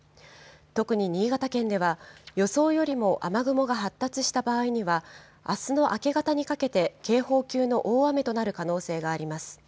特に新潟県では、予想よりも雨雲が発達した場合には、あすの明け方にかけて、警報級の大雨となる可能性があります。